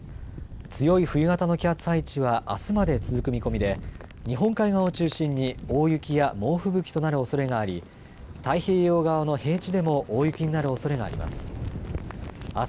強い冬型の気圧配置はあすまで続く見込みで日本海側を中心に大雪や猛吹雪となるおそれがあり、太平洋側の平地でも大雪になるおそれがあります。